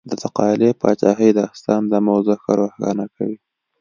د تقالي پاچاهۍ داستان دا موضوع ښه روښانه کوي.